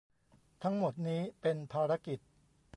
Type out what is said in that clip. ทั้งหมดนี้เป็นภารกิจ